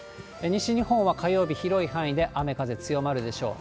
西日本は火曜日、広い範囲で雨、風強まるでしょう。